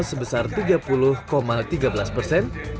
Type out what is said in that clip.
sebesar tiga puluh tiga belas persen